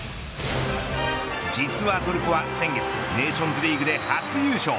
実はトルコは先月ネーションズリーグで初優勝。